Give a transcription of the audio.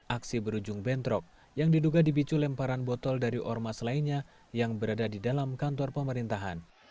aksi berujung bentrok yang diduga dipicu lemparan botol dari ormas lainnya yang berada di dalam kantor pemerintahan